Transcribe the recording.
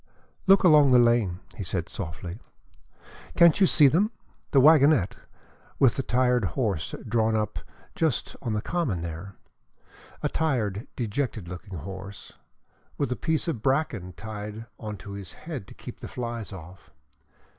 "Look along the lane," he said softly. "Can't you see them the wagonette with the tired horse drawn up just on the common there a tired, dejected looking horse, with a piece of bracken tied on to his head to keep the flies off?